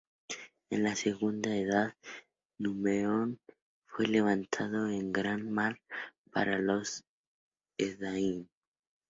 En la Segunda Edad, Númenor fue levantado en el Gran Mar para los Edain.